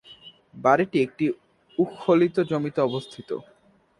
বাড়িটি একটি উত্থিত জমিতে অবস্থিত।